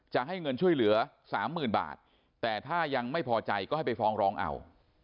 จะให้เงินช่วยเหลือสามหมื่นบาทแต่ถ้ายังไม่พอใจก็ให้ไปฟ้องร้องเอา